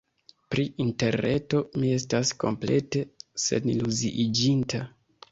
Pri Interreto mi estas komplete seniluziiĝinta.